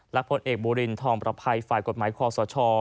และพลเอกบูรินทองประภัยฝ่ายกฎหมายคอสช